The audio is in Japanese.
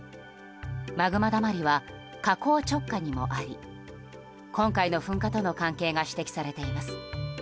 マグマだまりは火口直下にもあり今回の噴火との関係が指摘されています。